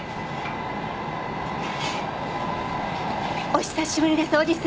お久しぶりです